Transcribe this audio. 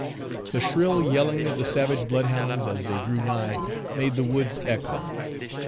The shrill yelling of the savage blood hounds as they drew nigh made the woods echo.